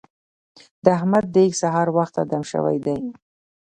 د احمد دېګ سهار وخته دم شوی دی.